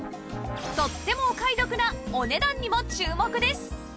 とってもお買い得なお値段にも注目です！